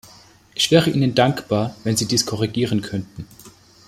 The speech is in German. Ich wäre Ihnen dankbar, wenn Sie dies korrigieren könnten.